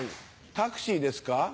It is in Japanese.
タクシーですか？